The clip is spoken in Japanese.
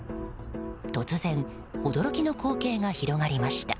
突然驚きの光景が広がりました。